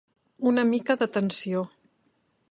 Una mica de tensió.